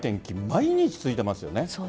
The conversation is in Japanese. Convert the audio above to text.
毎日続いていますよね。